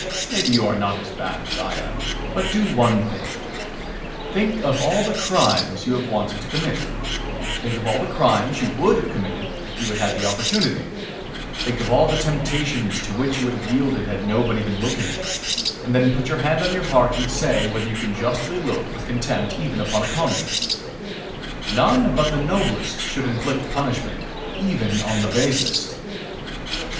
Maybe you are not as bad as I am, but do one thing: think of all the crimes you have wanted to commit; think of all the crimes you would have committed if you had had the opportunity; think of all the temptations to which you would have yielded had nobody been looking; and then put your hand on your heart and say whether you can justly look with contempt even upon a convict. None but the noblest should inflict punishment, even on the basest.